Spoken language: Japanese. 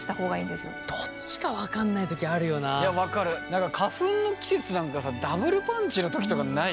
何か花粉の季節なんかさダブルパンチのときとかない？